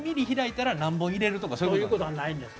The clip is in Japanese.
そういうことはないです。